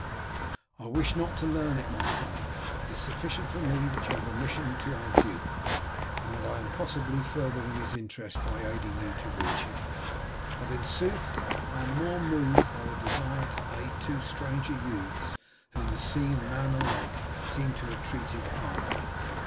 "I wish not to learn it, my son. It is sufficient for me that you have a mission to our duke, and that I am possibly furthering his interest by aiding you to reach him. But, in sooth, I am more moved by the desire to aid two stranger youths, whom the sea and man alike seem to have treated hardly.